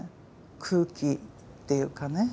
空気っていうかね